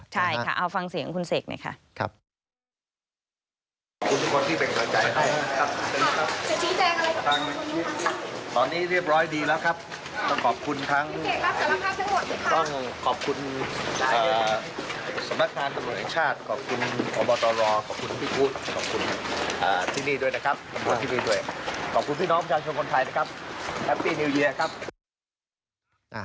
ใช่ค่ะเอาฟังเสียงคุณเสกหน่อยค่ะ